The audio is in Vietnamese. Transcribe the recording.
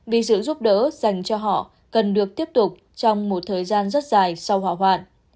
vì sự giúp đỡ dành cho họ cần được tiếp tục trong một thời gian rất dài sau hỏa hoạn